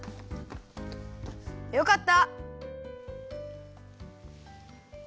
よかった。